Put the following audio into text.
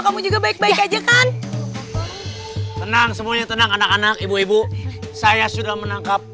kamu juga baik baik aja kan tenang semuanya tenang anak anak ibu ibu saya sudah menangkap